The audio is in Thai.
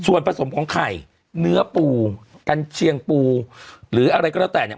ส่วนผสมของไข่เนื้อปูกันเชียงปูหรืออะไรก็แล้วแต่เนี่ย